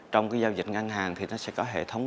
trong cái giao dịch ngân hàng thì nó sẽ có hệ thống